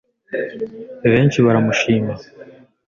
Benshi baramushima